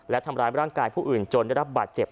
และทำร้ายร่างกายผู้อื่นจนได้รับบาดเจ็บ